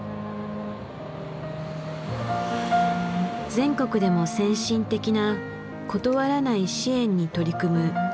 全国でも先進的な「断らない支援」に取り組む座間市役所。